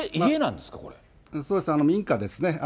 そうです、民家ですね。